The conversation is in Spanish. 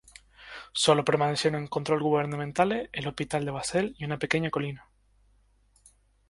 Solo permanecieron en control gubernamental el hospital de Basel y una pequeña colina.